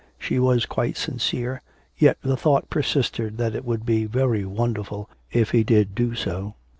She was quite sincere, yet the thought persisted that it would be very wonderful if he did do so.